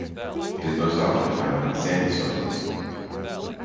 It is most often found in sandy soils.